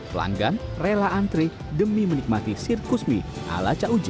pelanggan rela antre demi menikmati sirkus mie ala cauji